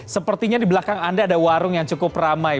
sepertinya di belakang anda ada warung yang cukup ramai